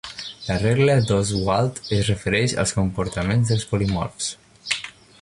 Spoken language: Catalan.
La regla d'Ostwald es refereix al comportament dels polimorfs.